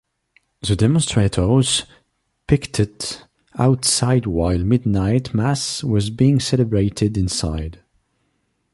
The demonstrators picketed outside while midnight mass was being celebrated inside.